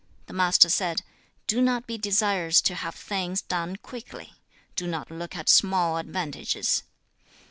The Master said, 'Do not be desirous to have things done quickly; do not look at small advantages.